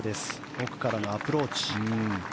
奥からのアプローチ。